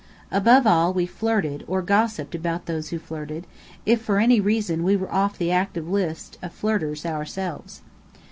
Above all, we flirted, or gossiped about those who flirted, if for any reason we were off the active list of flirters ourselves.